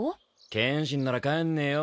剣心なら帰んねえよ。